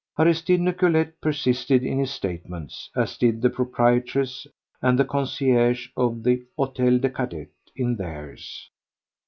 Aristide Nicolet persisted in his statements, as did the proprietress and the concierge of the Hôtel des Cadets in theirs.